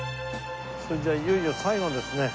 それじゃあいよいよ最後ですね。